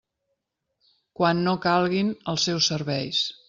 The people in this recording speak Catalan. Quan no calguin els seus serveis.